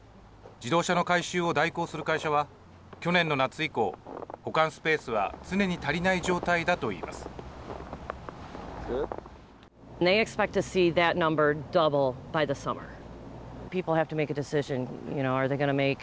自動車の回収を代行する会社は去年の夏以降保管スペースは常に足りない状態だと言います。